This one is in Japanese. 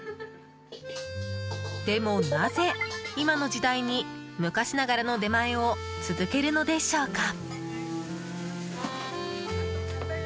でもなぜ、今の時代に昔ながらの出前を続けるのでしょうか？